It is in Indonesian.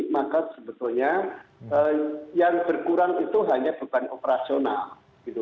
maka sebetulnya yang berkurang itu hanya bukan operasional gitu